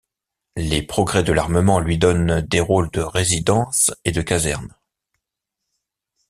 Les progrès de l'armement lui donnent des rôles de résidence et de caserne.